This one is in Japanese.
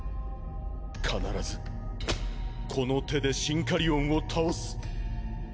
必ずこの手でシンカリオンを倒す。